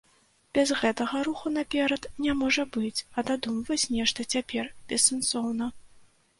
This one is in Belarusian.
Без гэтага руху наперад не можа быць, а дадумваць нешта цяпер бессэнсоўна.